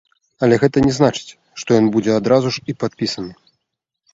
Але гэта не значыць, што ён будзе адразу ж і падпісаны.